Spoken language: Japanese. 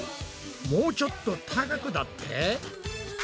もうちょっと高くだって？